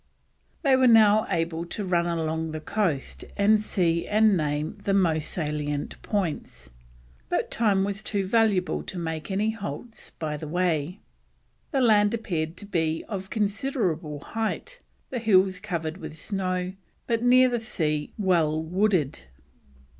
They were now able to run along the coast and see and name the most salient points, but time was too valuable to make any halts by the way. The land appeared to be of considerable height, the hills covered with snow, but near the sea, well wooded.